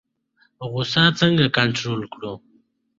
غوسه څنګه کنټرول کړو؟